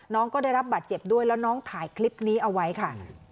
น้องก็ได้รับบาดเจ็บด้วยแล้วน้องถ่ายคลิปนี้เอาไว้ค่ะ